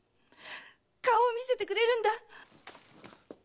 顔を見せてくれるんだ。